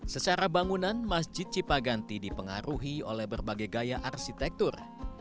secara bangunan masjid cipaganti dipengaruhi oleh berbagai gaya arsitektur